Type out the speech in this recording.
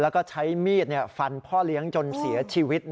แล้วก็ใช้มีดฟันพ่อเลี้ยงจนเสียชีวิต